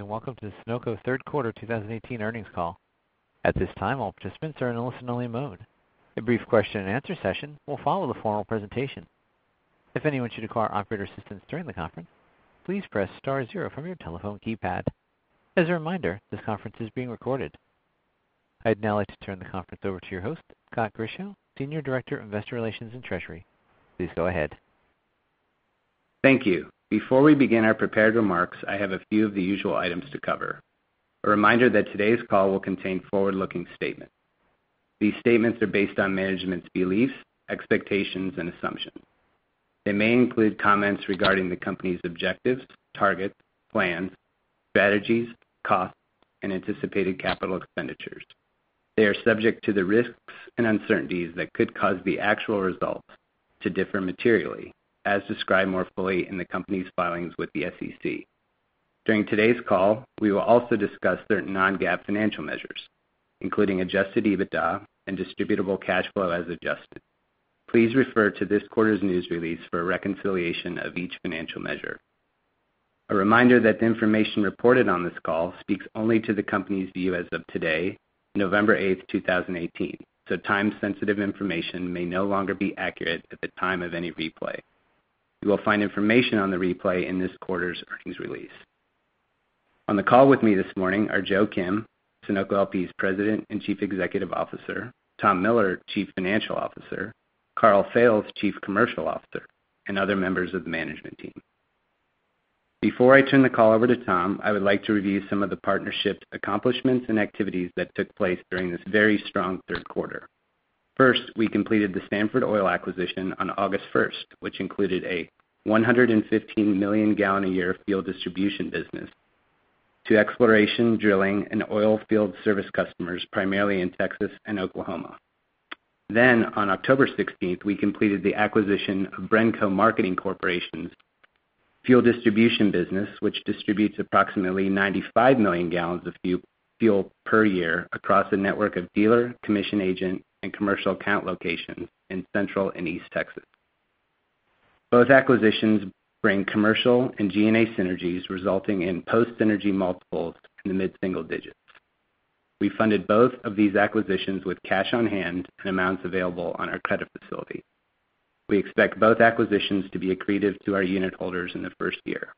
Welcome to the Sunoco Third Quarter 2018 earnings call. At this time, all participants are in a listen-only mode. A brief question-and-answer session will follow the formal presentation. If anyone should require operator assistance during the conference, please press star 0 from your telephone keypad. As a reminder, this conference is being recorded. I'd now like to turn the conference over to your host, Scott Grischow, Senior Director of Investor Relations and Treasury. Please go ahead. Thank you. Before we begin our prepared remarks, I have a few of the usual items to cover. A reminder that today's call will contain forward-looking statements. These statements are based on management's beliefs, expectations, and assumptions. They may include comments regarding the company's objectives, targets, plans, strategies, costs, and anticipated capital expenditures. They are subject to the risks and uncertainties that could cause the actual results to differ materially, as described more fully in the company's filings with the SEC. During today's call, we will also discuss certain non-GAAP financial measures, including adjusted EBITDA and distributable cash flow as adjusted. Please refer to this quarter's news release for a reconciliation of each financial measure. A reminder that the information reported on this call speaks only to the company's view as of today, November 8, 2018. Time-sensitive information may no longer be accurate at the time of any replay. You will find information on the replay in this quarter's earnings release. On the call with me this morning are Joe Kim, Sunoco LP's President and Chief Executive Officer, Tom Miller, Chief Financial Officer, Karl Fails, Chief Commercial Officer, and other members of the management team. Before I turn the call over to Tom, I would like to review some of the partnership's accomplishments and activities that took place during this very strong third quarter. First, we completed the Sanford Oil acquisition on August 1, which included a 115 million gallon a year fuel distribution business to exploration, drilling, and oil field service customers, primarily in Texas and Oklahoma. On October 16, we completed the acquisition of BRENCO Marketing Corporation's fuel distribution business, which distributes approximately 95 million gallons of fuel per year across a network of dealer, commission agent, and commercial account locations in Central and East Texas. Both acquisitions bring commercial and G&A synergies resulting in post-synergy multiples in the mid-single digits. We funded both of these acquisitions with cash on hand and amounts available on our credit facility. We expect both acquisitions to be accretive to our unit holders in the first year.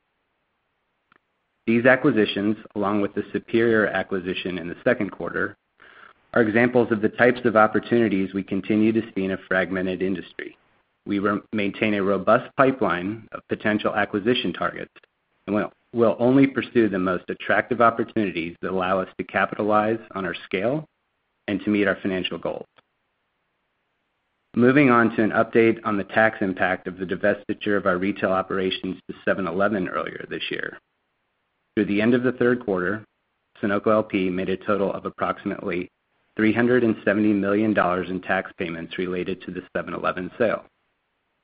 These acquisitions, along with the Superior acquisition in the second quarter, are examples of the types of opportunities we continue to see in a fragmented industry. We maintain a robust pipeline of potential acquisition targets, and we'll only pursue the most attractive opportunities that allow us to capitalize on our scale and to meet our financial goals. Moving on to an update on the tax impact of the divestiture of our retail operations to 7-Eleven earlier this year. Through the end of the third quarter, Sunoco LP made a total of approximately $370 million in tax payments related to the 7-Eleven sale.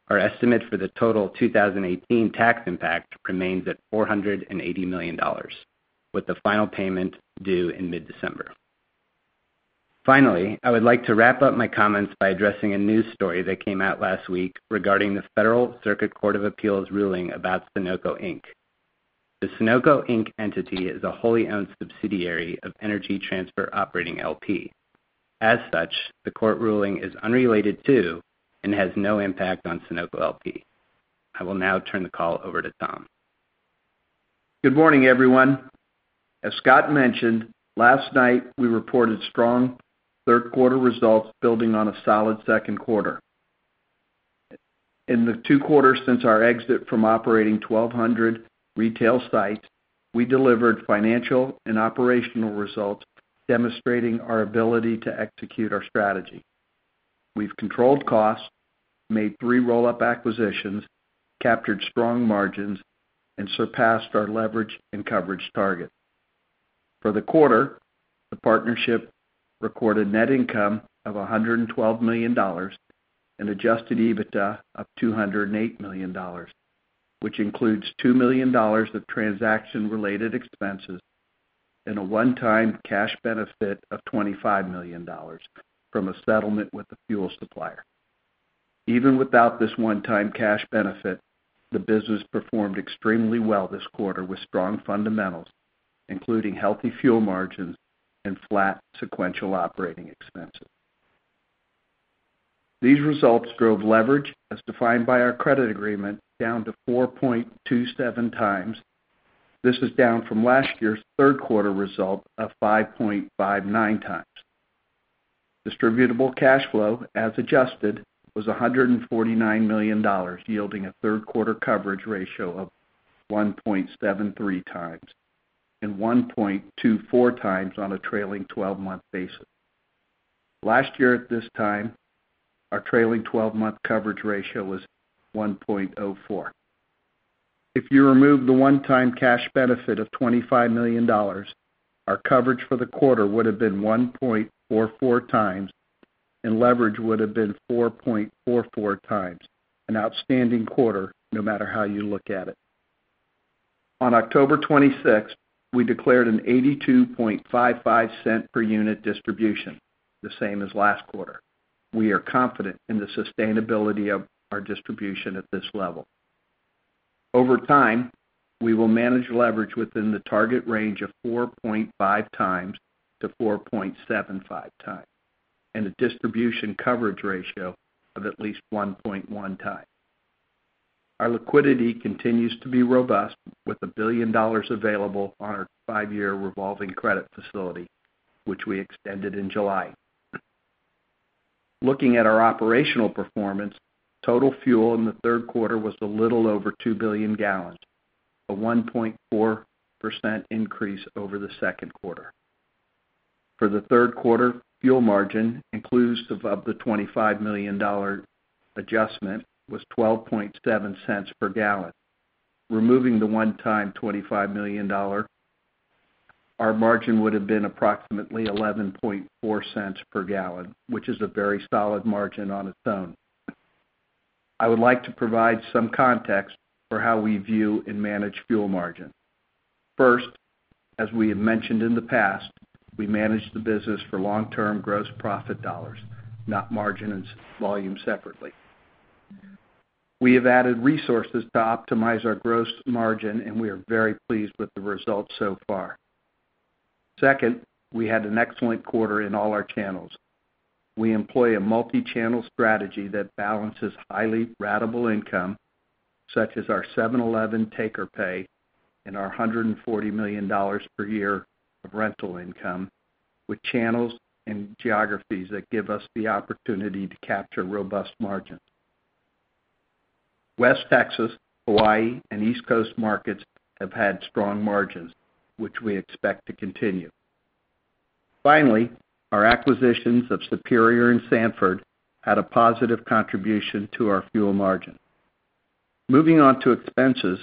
Our estimate for the total 2018 tax impact remains at $480 million, with the final payment due in mid-December. Finally, I would like to wrap up my comments by addressing a news story that came out last week regarding the Federal Circuit Court of Appeals ruling about Sunoco, Inc. The Sunoco, Inc. entity is a wholly-owned subsidiary of Energy Transfer Operating, L.P. As such, the court ruling is unrelated to and has no impact on Sunoco LP. I will now turn the call over to Thomas Miller. Good morning, everyone. As Scott Grischow mentioned, last night we reported strong third quarter results building on a solid second quarter. In the two quarters since our exit from operating 1,200 retail sites, we delivered financial and operational results demonstrating our ability to execute our strategy. We've controlled costs, made three roll-up acquisitions, captured strong margins, and surpassed our leverage and coverage targets. For the quarter, the partnership recorded net income of $112 million and adjusted EBITDA of $208 million, which includes $2 million of transaction-related expenses and a one-time cash benefit of $25 million from a settlement with the fuel supplier. Even without this one-time cash benefit, the business performed extremely well this quarter with strong fundamentals, including healthy fuel margins and flat sequential operating expenses. These results drove leverage as defined by our credit agreement down to 4.27 times. This is down from last year's third quarter result of 5.59 times. Distributable cash flow as adjusted was $149 million, yielding a third quarter coverage ratio of 1.73 times, and 1.24 times on a trailing twelve-month basis. Last year at this time, our trailing twelve-month coverage ratio was 1.04. If you remove the one-time cash benefit of $25 million, our coverage for the quarter would have been 1.44 times, and leverage would have been 4.44 times, an outstanding quarter no matter how you look at it. On October 26th, we declared an $0.8255 per unit distribution, the same as last quarter. We are confident in the sustainability of our distribution at this level. Over time, we will manage leverage within the target range of 4.5 times to 4.75 times and a distribution coverage ratio of at least 1.1 times. Our liquidity continues to be robust with $1 billion available on our 5-year revolving credit facility, which we extended in July. Looking at our operational performance, total fuel in the third quarter was a little over 2 billion gallons, a 1.4% increase over the second quarter. For the third quarter, fuel margin inclusive of the $25 million adjustment was $0.127 per gallon. Removing the one-time $25 million, our margin would have been approximately $0.114 per gallon, which is a very solid margin on its own. I would like to provide some context for how we view and manage fuel margin. First, as we have mentioned in the past, we manage the business for long-term gross profit dollars, not margin and volume separately. We have added resources to optimize our gross margin, and we are very pleased with the results so far. Second, we had an excellent quarter in all our channels. We employ a multi-channel strategy that balances highly ratable income, such as our 7-Eleven take-or-pay and our $140 million per year of rental income, with channels and geographies that give us the opportunity to capture robust margins. West Texas, Hawaii, and East Coast markets have had strong margins, which we expect to continue. Finally, our acquisitions of Superior Plus Energy Services and Sandford Energy had a positive contribution to our fuel margin. Moving on to expenses.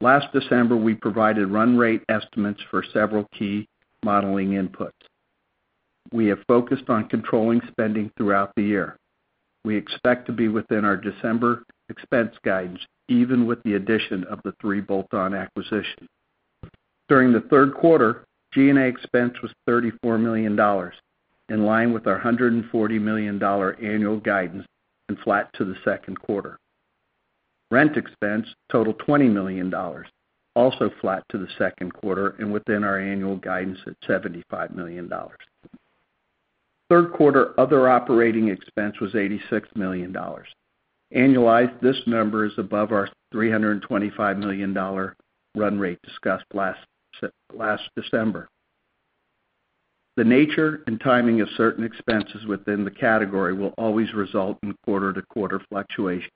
Last December, we provided run rate estimates for several key modeling inputs. We have focused on controlling spending throughout the year. We expect to be within our December expense guidance, even with the addition of the three bolt-on acquisitions. During the third quarter, G&A expense was $34 million, in line with our $140 million annual guidance and flat to the second quarter. Rent expense totaled $20 million, also flat to the second quarter and within our annual guidance at $75 million. Third quarter other operating expense was $86 million. Annualized, this number is above our $325 million run rate discussed last December. The nature and timing of certain expenses within the category will always result in quarter-to-quarter fluctuation.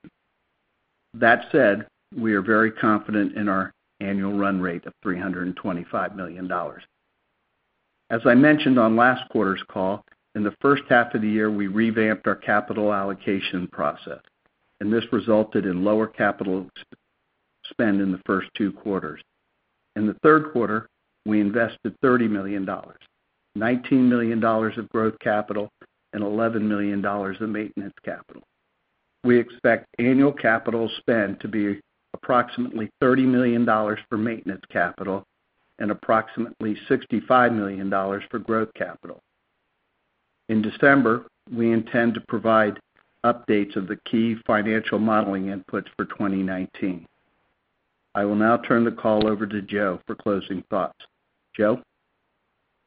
That said, we are very confident in our annual run rate of $325 million. As I mentioned on last quarter's call, in the first half of the year, we revamped our capital allocation process, and this resulted in lower capital spend in the first two quarters. In the third quarter, we invested $30 million, $19 million of growth capital, and $11 million of maintenance capital. We expect annual capital spend to be approximately $30 million for maintenance capital and approximately $65 million for growth capital. In December, we intend to provide updates of the key financial modeling inputs for 2019. I will now turn the call over to Joe for closing thoughts. Joe?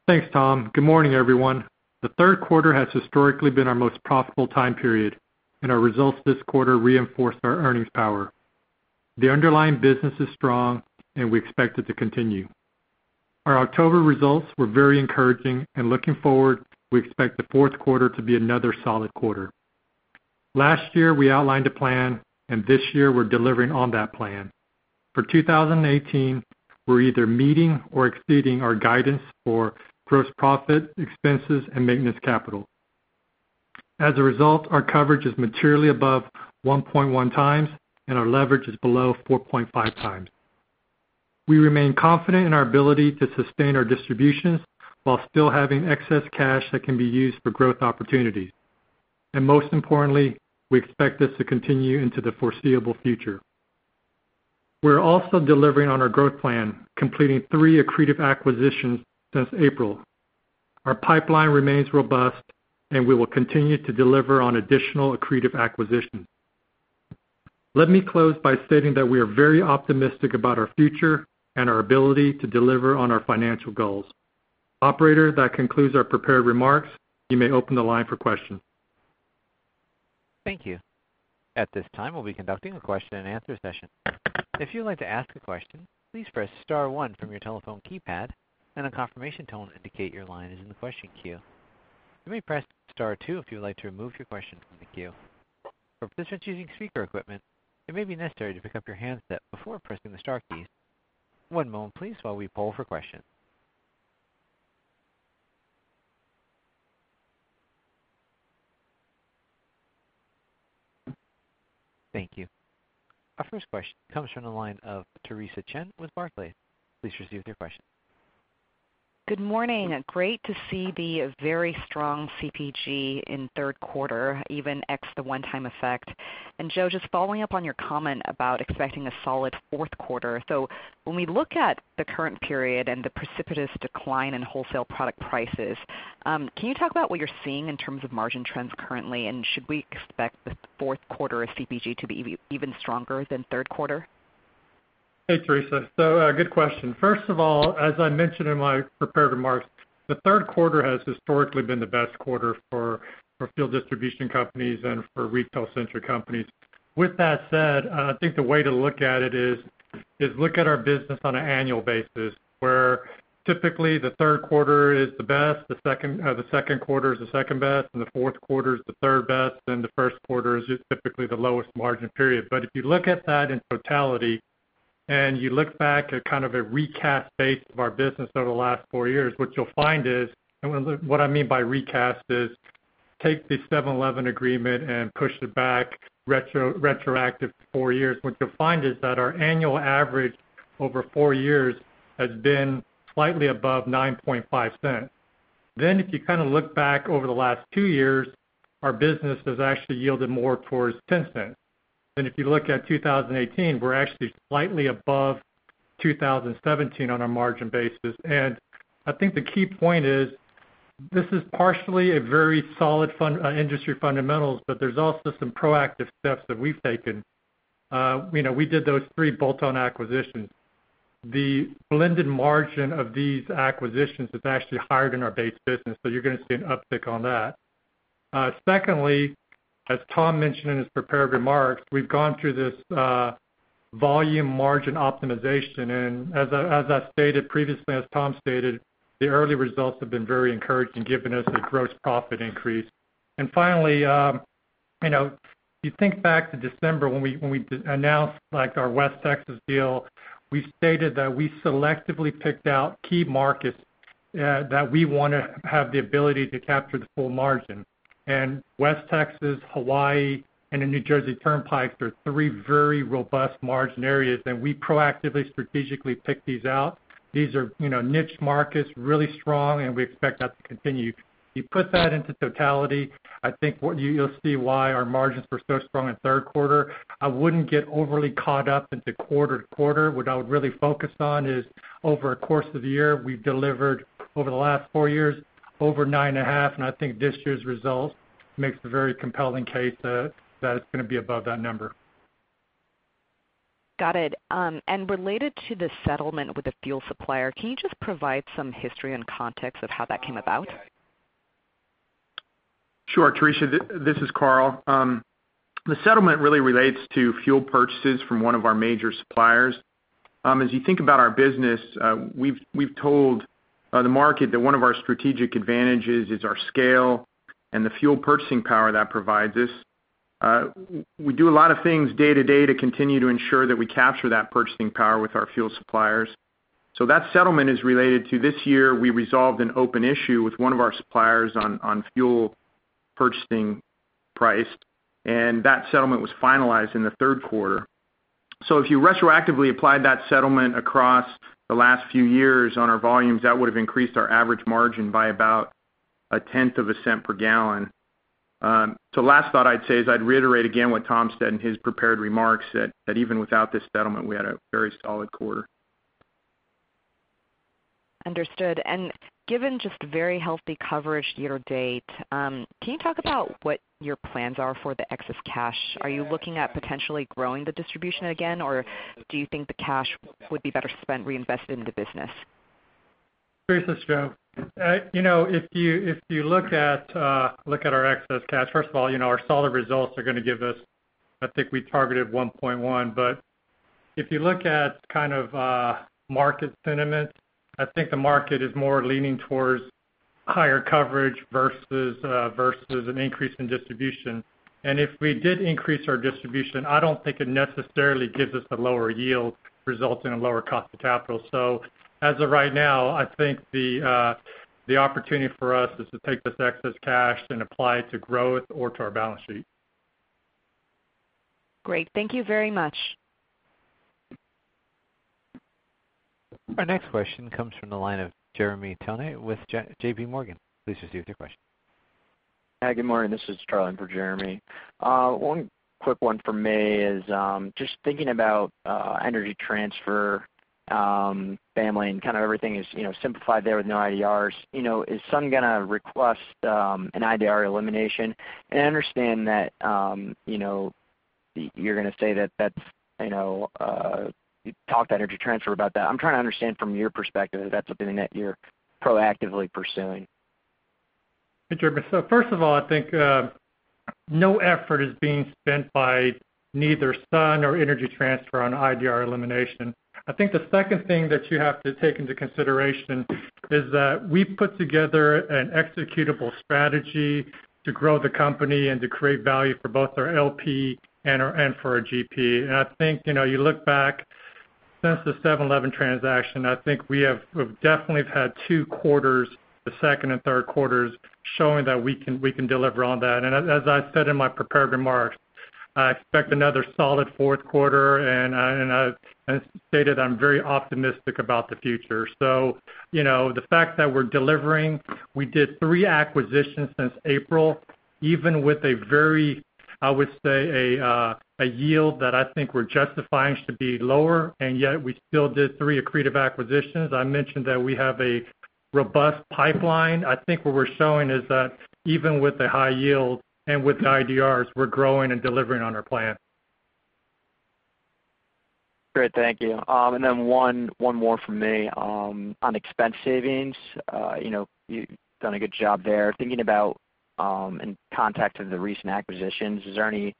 Thanks, Tom. Good morning, everyone. The third quarter has historically been our most profitable time period, and our results this quarter reinforced our earnings power. The underlying business is strong, and we expect it to continue. Our October results were very encouraging, and looking forward, we expect the fourth quarter to be another solid quarter. Last year, we outlined a plan, and this year, we're delivering on that plan. For 2018, we're either meeting or exceeding our guidance for gross profit, expenses and maintenance capital. As a result, our coverage is materially above 1.1 times, and our leverage is below 4.5 times. We remain confident in our ability to sustain our distributions while still having excess cash that can be used for growth opportunities. And most importantly, we expect this to continue into the foreseeable future. We're also delivering on our growth plan, completing three accretive acquisitions since April. Our pipeline remains robust. We will continue to deliver on additional accretive acquisitions. Let me close by stating that we are very optimistic about our future and our ability to deliver on our financial goals. Operator, that concludes our prepared remarks. You may open the line for questions. Thank you. At this time, we will be conducting a question and answer session. If you would like to ask a question, please press star one from your telephone keypad, and a confirmation tone will indicate your line is in the question queue. You may press star two if you would like to remove your question from the queue. For participants using speaker equipment, it may be necessary to pick up your handset before pressing the star keys. One moment please while we poll for questions. Thank you. Our first question comes from the line of Theresa Chen with Barclays. Please proceed with your question. Good morning. Great to see the very strong CPG in third quarter, even ex the one-time effect. Joe, just following up on your comment about expecting a solid fourth quarter. When we look at the current period and the precipitous decline in wholesale product prices, can you talk about what you are seeing in terms of margin trends currently? Should we expect the fourth quarter of CPG to be even stronger than third quarter? Hey, Theresa. Good question. First of all, as I mentioned in my prepared remarks, the third quarter has historically been the best quarter for fuel distribution companies and for retail-centric companies. With that said, I think the way to look at it is look at our business on an annual basis, where typically the third quarter is the best, the second quarter is the second best, and the fourth quarter is the third best, then the first quarter is just typically the lowest margin period. If you look at that in totality, and you look back at kind of a recast base of our business over the last four years, what you will find is. What I mean by recast is take the 7-Eleven agreement and push it back retroactive four years. What you'll find is that our annual average over four years has been slightly above $0.095. If you look back over the last two years, our business has actually yielded more towards $0.10. If you look at 2018, we're actually slightly above 2017 on a margin basis. I think the key point is this is partially a very solid industry fundamentals, but there's also some proactive steps that we've taken. We did those three bolt-on acquisitions. The blended margin of these acquisitions is actually higher than our base business. You're going to see an uptick on that. Secondly, as Tom mentioned in his prepared remarks, we've gone through this volume margin optimization. As I stated previously, as Tom stated, the early results have been very encouraging, giving us a gross profit increase. Finally, you think back to December when we announced our West Texas deal, we stated that we selectively picked out key markets that we want to have the ability to capture the full margin. West Texas, Hawaii, and the New Jersey Turnpike are three very robust margin areas, and we proactively, strategically picked these out. These are niche markets, really strong, and we expect that to continue. You put that into totality, I think you'll see why our margins were so strong in the third quarter. I wouldn't get overly caught up into quarter to quarter. What I would really focus on is over a course of the year, we've delivered over the last four years, over $0.095, and I think this year's result makes a very compelling case that it's going to be above that number. Got it. Related to the settlement with the fuel supplier, can you just provide some history and context of how that came about? Sure, Theresa, this is Karl. The settlement really relates to fuel purchases from one of our major suppliers. As you think about our business, we've told the market that one of our strategic advantages is our scale and the fuel purchasing power that provides us. We do a lot of things day to day to continue to ensure that we capture that purchasing power with our fuel suppliers. That settlement is related to this year, we resolved an open issue with one of our suppliers on fuel purchasing price, and that settlement was finalized in the third quarter. If you retroactively applied that settlement across the last few years on our volumes, that would have increased our average margin by about $0.001 per gallon. The last thought I'd say is I'd reiterate again what Tom said in his prepared remarks, that even without this settlement, we had a very solid quarter. Understood. Given just very healthy coverage year-to-date, can you talk about what your plans are for the excess cash? Are you looking at potentially growing the distribution again, or do you think the cash would be better spent reinvested in the business? Theresa, it's Joe. If you look at our excess cash, first of all, our solid results are going to give us, I think we targeted 1.1, but if you look at market sentiment, I think the market is more leaning towards higher coverage versus an increase in distribution. If we did increase our distribution, I don't think it necessarily gives us a lower yield, resulting in a lower cost of capital. As of right now, I think the opportunity for us is to take this excess cash and apply it to growth or to our balance sheet. Great. Thank you very much. Our next question comes from the line of Jeremy Tonet with JP Morgan. Please proceed with your question. Hi, good morning. This is Charlie in for Jeremy. One quick one for me is, just thinking about Energy Transfer family and kind of everything is simplified there with no IDRs. Is Sun going to request an IDR elimination? I understand that you're going to say that you talked to Energy Transfer about that. I'm trying to understand from your perspective if that's something that you're proactively pursuing. Hey, Jeremy. First of all, I think no effort is being spent by neither Sun or Energy Transfer on IDR elimination. I think the second thing that you have to take into consideration is that we put together an executable strategy to grow the company and to create value for both our LP and for our GP. I think you look back since the 7-Eleven transaction, I think we have definitely had two quarters, the second and third quarters, showing that we can deliver on that. As I said in my prepared remarks, I expect another solid fourth quarter, and I stated I'm very optimistic about the future. The fact that we're delivering, we did three acquisitions since April, even with a very, I would say, a yield that I think we're justifying should be lower, and yet we still did three accretive acquisitions. I mentioned that we have a robust pipeline. I think what we're showing is that even with the high yield and with the IDRs, we're growing and delivering on our plan. Great, thank you. One more from me. On expense savings, you've done a good job there. Thinking about in context of the recent acquisitions, is there any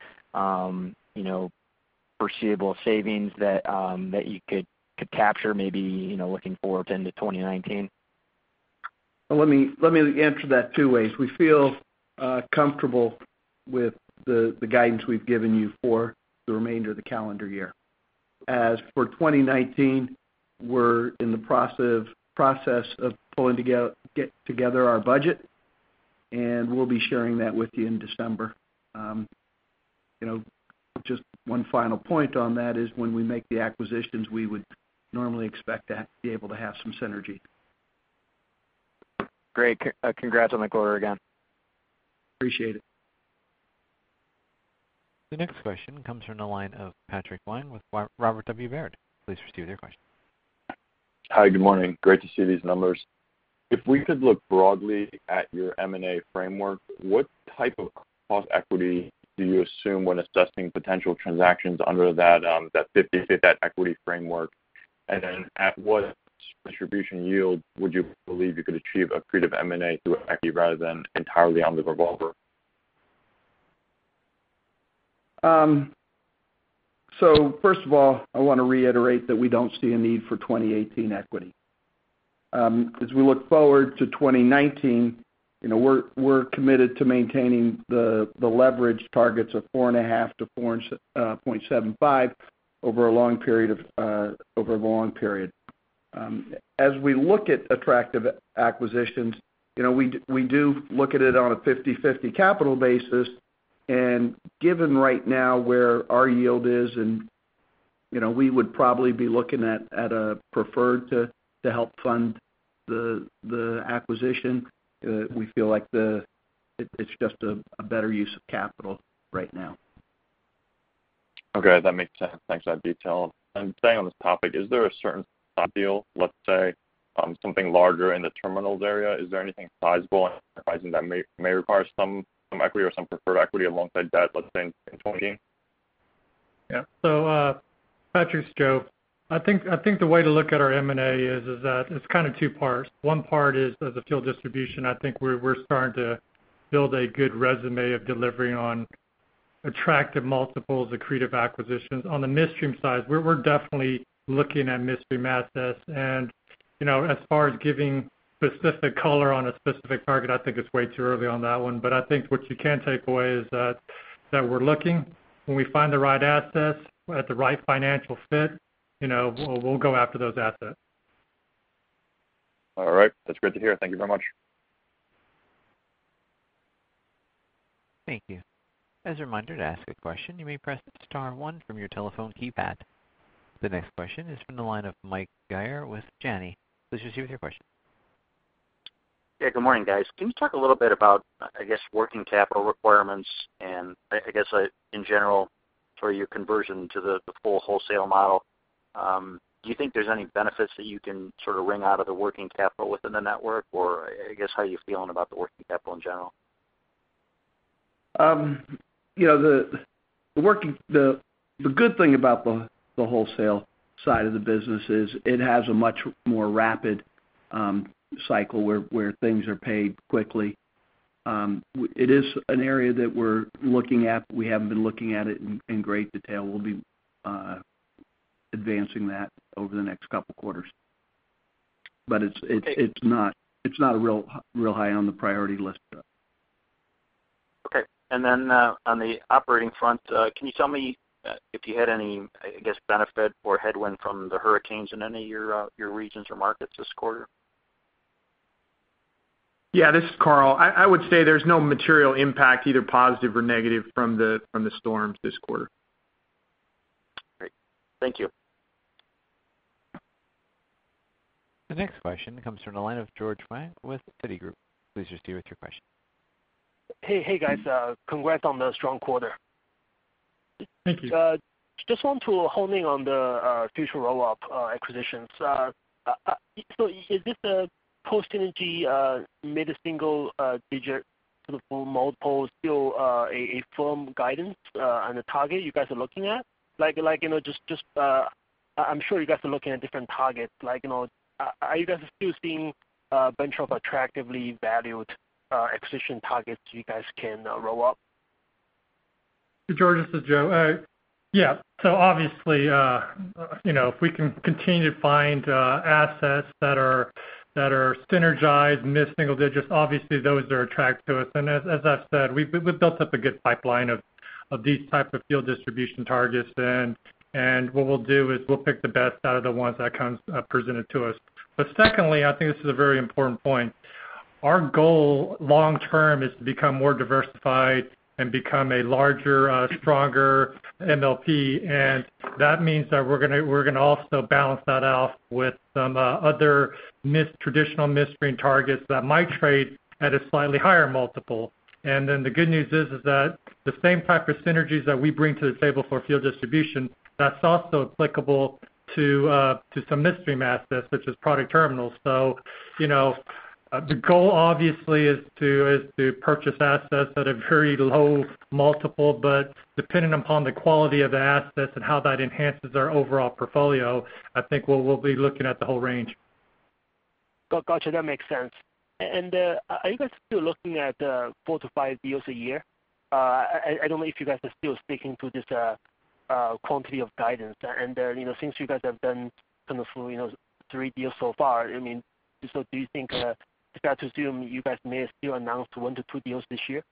foreseeable savings that you could capture, maybe, looking forward into 2019? Let me answer that two ways. We feel comfortable with the guidance we've given you for the remainder of the calendar year. As for 2019, we're in the process of pulling together our budget, we'll be sharing that with you in December. Just one final point on that is when we make the acquisitions, we would normally expect to be able to have some synergy. Great. Congrats on the quarter again. Appreciate it. The next question comes from the line of Patrick Wang with Robert W. Baird. Please proceed with your question. Hi. Good morning. Great to see these numbers. If we could look broadly at your M&A framework, what type of cost equity do you assume when assessing potential transactions under that 50-50 equity framework? At what distribution yield would you believe you could achieve accretive M&A through equity rather than entirely on the revolver? First of all, I want to reiterate that we don't see a need for 2018 equity. As we look forward to 2019, we're committed to maintaining the leverage targets of 4.5-4.75 over a long period. As we look at attractive acquisitions, we do look at it on a 50-50 capital basis, given right now where our yield is, we would probably be looking at a preferred to help fund the acquisition. We feel like it's just a better use of capital right now. Okay. That makes sense. Thanks for that detail. Staying on this topic, is there a certain deal, let's say, something larger in the terminals area? Is there anything sizable and surprising that may require some equity or some preferred equity alongside debt, let's say, in 2020? Yeah. Patrick, it's Joe. I think the way to look at our M&A is that it's kind of two parts. One part is the fuel distribution. I think we're starting to build a good resume of delivering on attractive multiples, accretive acquisitions. On the midstream side, we're definitely looking at midstream assets. As far as giving specific color on a specific target, I think it's way too early on that one. I think what you can take away is that we're looking. When we find the right assets at the right financial fit, we'll go after those assets. All right. That's great to hear. Thank you very much. Thank you. As a reminder, to ask a question, you may press star one from your telephone keypad. The next question is from the line of Mike Geyer with Janney. Please proceed with your question. Yeah, good morning, guys. Can you talk a little bit about, I guess, working capital requirements and, I guess, in general sort of your conversion to the full wholesale model. Do you think there's any benefits that you can sort of wring out of the working capital within the network, or, I guess, how are you feeling about the working capital in general? The good thing about the wholesale side of the business is it has a much more rapid cycle where things are paid quickly. It is an area that we're looking at, but we haven't been looking at it in great detail. We'll be advancing that over the next couple quarters. It's not real high on the priority list. Okay. On the operating front, can you tell me if you had any, I guess, benefit or headwind from the hurricanes in any of your regions or markets this quarter? Yeah, this is Karl. I would say there's no material impact, either positive or negative from the storms this quarter. Great. Thank you. The next question comes from the line of George Wang with Citigroup. Please proceed with your question. Hey, guys. Congrats on the strong quarter. Thank you. Just want to hone in on the future roll-up acquisitions. Is this Post Energy mid-single digit sort of multiple still a firm guidance on the target you guys are looking at? I'm sure you guys are looking at different targets. Are you guys still seeing a bunch of attractively valued acquisition targets you guys can roll up? George, this is Joe. Obviously, if we can continue to find assets that are synergized and mid-single digits, obviously those are attractive to us. As I've said, we've built up a good pipeline of these type of fuel distribution targets, and what we'll do is we'll pick the best out of the ones that presented to us. Secondly, I think this is a very important point. Our goal long term is to become more diversified and become a larger, stronger MLP. That means that we're going to also balance that out with some other traditional midstream targets that might trade at a slightly higher multiple. The good news is that the same type of synergies that we bring to the table for fuel distribution, that's also applicable to some midstream assets, such as product terminals. The goal, obviously, is to purchase assets at a very low multiple, depending upon the quality of the assets and how that enhances our overall portfolio, I think we'll be looking at the whole range. Got you. That makes sense. Are you guys still looking at four to five deals a year? I don't know if you guys are still sticking to this quantity of guidance. Since you guys have done three deals so far, is that to assume you guys may still announce one to two deals this year?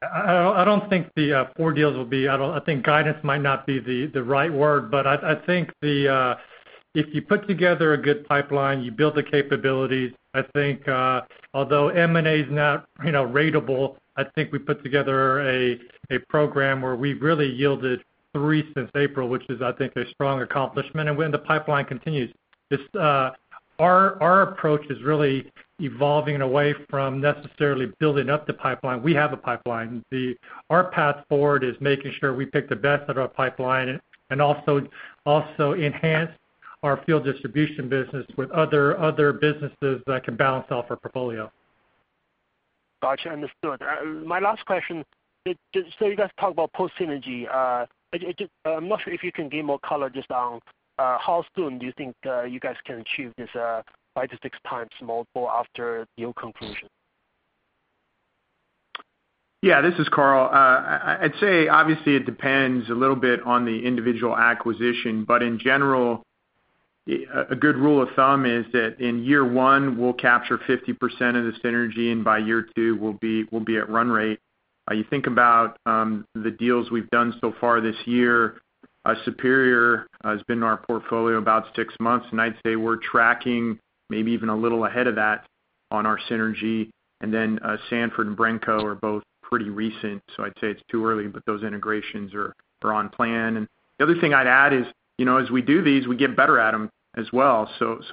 I don't think the four deals will be guidance might not be the right word, I think if you put together a good pipeline, you build the capabilities. I think, although M&A is not ratable, I think we put together a program where we've really yielded three since April, which is, I think, a strong accomplishment. When the pipeline continues, our approach is really evolving away from necessarily building up the pipeline. We have a pipeline. Our path forward is making sure we pick the best of our pipeline and also enhance our fuel distribution business with other businesses that can balance out our portfolio. Got you. Understood. My last question, you guys talk about post-synergy. I am not sure if you can give more color just on how soon do you think you guys can achieve this 5 to 6x multiple after deal conclusion? Yeah, this is Karl Fails. I'd say obviously it depends a little bit on the individual acquisition, but in general, a good rule of thumb is that in year one we will capture 50% of the synergy, and by year two, we will be at run rate. You think about the deals we have done so far this year. Superior has been in our portfolio about six months, and I'd say we are tracking maybe even a little ahead of that on our synergy. Sanford and BRENCO are both pretty recent, I'd say it is too early, but those integrations are on plan. The other thing I'd add is, as we do these, we get better at them as well.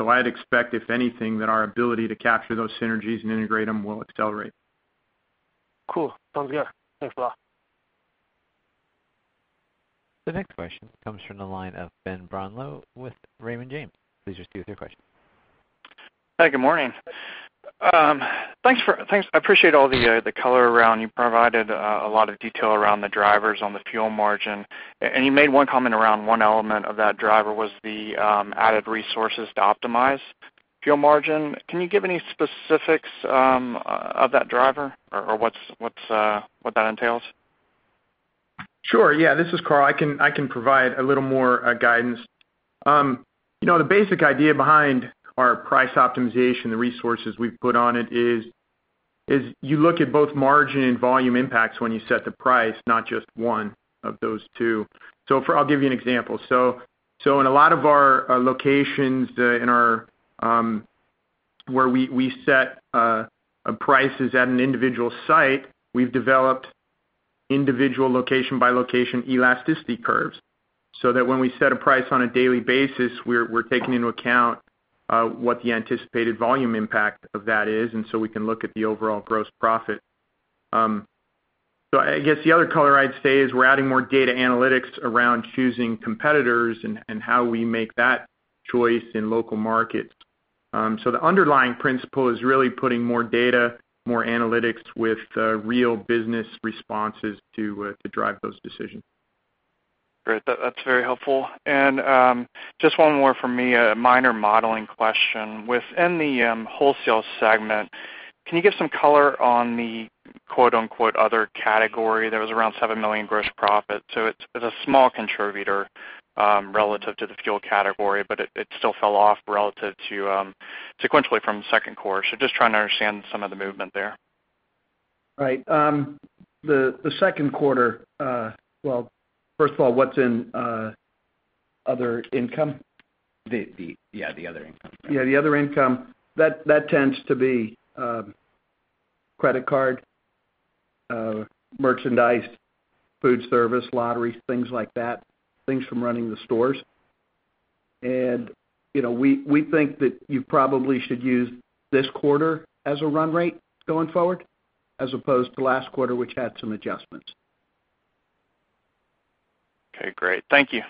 I'd expect, if anything, that our ability to capture those synergies and integrate them will accelerate. Cool. Sounds good. Thanks a lot. The next question comes from the line of Ben Brownlow with Raymond James. Please proceed with your question. Hi, good morning. I appreciate all the color around. You provided a lot of detail around the drivers on the fuel margin, and you made one comment around one element of that driver was the added resources to optimize fuel margin. Can you give any specifics of that driver or what that entails? Sure. Yes, this is Karl. I can provide a little more guidance. The basic idea behind our price optimization, the resources we've put on it is, you look at both margin and volume impacts when you set the price, not just one of those two. I'll give you an example. In a lot of our locations where we set prices at an individual site, we've developed individual location by location elasticity curves, so that when we set a price on a daily basis, we're taking into account what the anticipated volume impact of that is, and so we can look at the overall gross profit. I guess the other color I'd say is we're adding more data analytics around choosing competitors and how we make that choice in local markets. The underlying principle is really putting more data, more analytics with real business responses to drive those decisions. Great. That's very helpful. Just one more from me, a minor modeling question. Within the wholesale segment, can you give some color on the "other category?" That was around $7 million gross profit. It's a small contributor relative to the fuel category, but it still fell off relative to sequentially from second quarter. Just trying to understand some of the movement there. Right. Well, first of all, what's in other income? Yeah, the other income. Yeah, the other income, that tends to be credit card, merchandise, food service, lottery, things like that, things from running the stores. We think that you probably should use this quarter as a run rate going forward as opposed to last quarter, which had some adjustments. Okay, great. Thank you.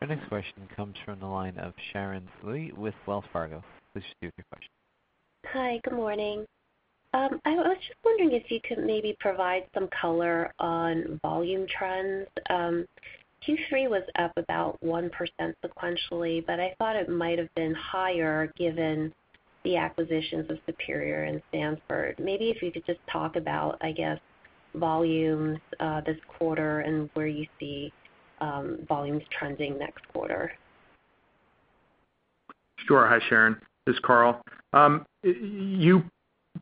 Our next question comes from the line of Sharon Lee with Wells Fargo. Please proceed with your question. Hi. Good morning. I was just wondering if you could maybe provide some color on volume trends. Q3 was up about 1% sequentially, I thought it might have been higher given the acquisitions of Superior and Sandford. Maybe if you could just talk about, I guess, volumes this quarter and where you see volumes trending next quarter. Sure. Hi, Sharon. This is Karl. You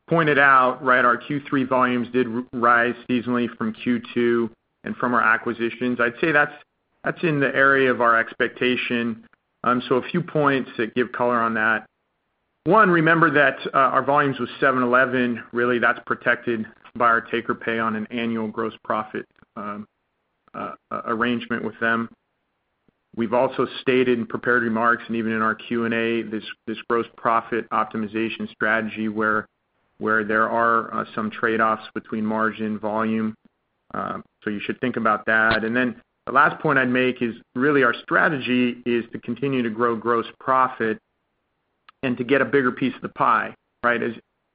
pointed out our Q3 volumes did rise seasonally from Q2 and from our acquisitions. I'd say that's in the area of our expectation. A few points that give color on that. One, remember that our volumes with 7-Eleven, really that's protected by our take-or-pay on an annual gross profit arrangement with them. We've also stated in prepared remarks and even in our Q&A, this gross profit optimization strategy where there are some trade-offs between margin volume. You should think about that. The last point I'd make is really our strategy is to continue to grow gross profit and to get a bigger piece of the pie, right?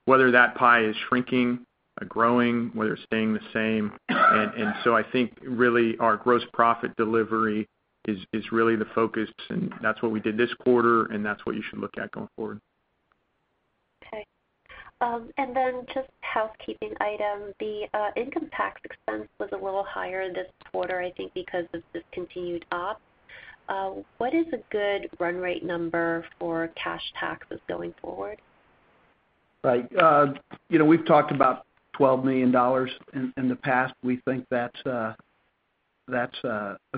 Whether that pie is shrinking, growing, whether it's staying the same. I think really our gross profit delivery is really the focus and that's what we did this quarter and that's what you should look at going forward. Okay. Then just housekeeping item. The income tax expense was a little higher this quarter, I think because of this continued ops. What is a good run rate number for cash taxes going forward? Right. We've talked about $12 million in the past. We think that's a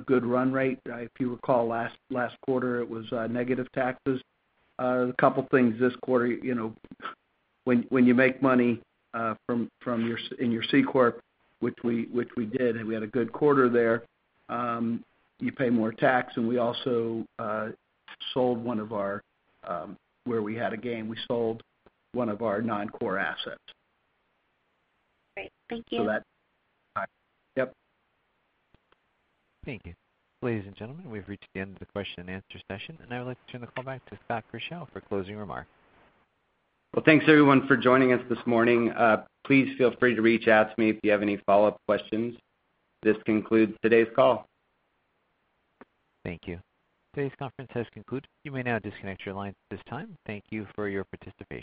good run rate. If you recall last quarter it was negative taxes. A couple things this quarter, when you make money in your C corporation, which we did, and we had a good quarter there, you pay more tax and we also sold where we had a gain, we sold one of our non-core assets. Great. Thank you. That Yep. Thank you. Ladies and gentlemen, we've reached the end of the question and answer session and I would like to turn the call back to Scott Grischow for closing remarks. Well, thanks everyone for joining us this morning. Please feel free to reach out to me if you have any follow-up questions. This concludes today's call. Thank you. Today's conference has concluded. You may now disconnect your lines at this time. Thank you for your participation.